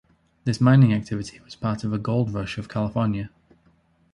This mining activity was part of the Gold Rush of California.